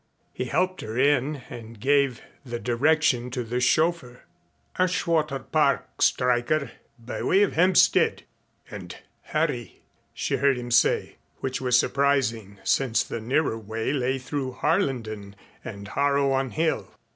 He helped her in and gave the direction to the chauffeur. "Ashwater Park, Stryker, by way of Hampstead and hurry," she heard him say, which was surprising since the nearer way lay through Harlenden and Harrow on Hill.